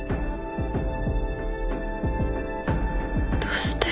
どうして？